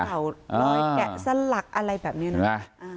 ก็ดูเก่าลอยแกะสลักอะไรแบบนี้นะ